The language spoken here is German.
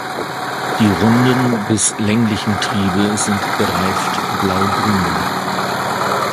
Die runden bis länglichen Triebe sind bereift blaugrün.